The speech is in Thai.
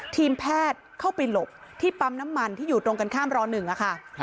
ทีมแพทย์เข้าไปหลบที่ปั๊มน้ำมันที่อยู่ตรงกันข้ามร๑ค่ะ